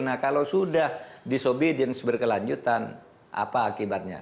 nah kalau sudah disobedience berkelanjutan apa akibatnya